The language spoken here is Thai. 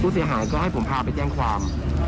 เสียหายก็ให้ผมพาไปแจ้งความ